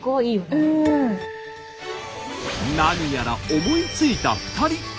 何やら思いついた２人。